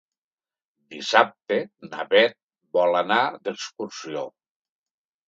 Dissabte na Beth vol anar d'excursió.